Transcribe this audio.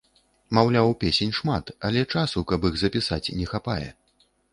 Маўляў, песень шмат, але часу, каб іх запісаць, не хапае.